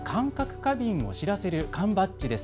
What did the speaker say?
過敏を知らせる缶バッジです。